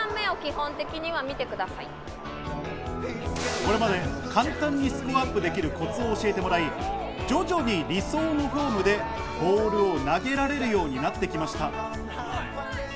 これまで簡単にスコアアップできるコツを教えてもらい、徐々に理想のフォームでボールを投げられるようになってきました。